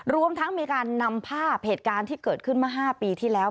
รวมทั้งมีการนำภาพเหตุการณ์ที่เกิดขึ้นเมื่อ๕ปีที่แล้ว